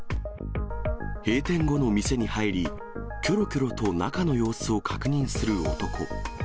閉店後の店に入り、きょろきょろと中の様子を確認する男。